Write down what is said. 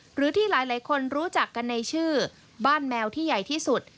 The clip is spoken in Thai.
หรือที่หลายคนรู้จักกันในชื่อบ้านแมวที่ใหญ่ที่สุด